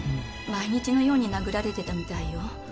毎日のように殴られてたみたいよ。